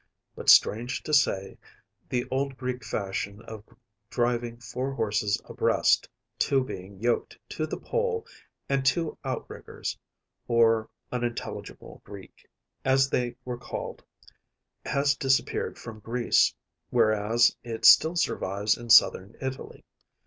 But, strange to say, the old Greek fashion of driving four horses abreast, two being yoked to the pole, and two outriggers, or ŌÄőĪŌĀő¨ŌÉőĶőĻŌĀőŅőĻ, as they were called, has disappeared from Greece, whereas it still survives in Southern Italy.